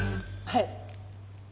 はい！